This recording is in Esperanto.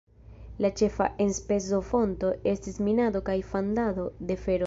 La ĉefa enspezofonto estis minado kaj fandado de fero.